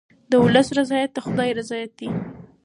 د ولس رضایت د خدای رضایت دی.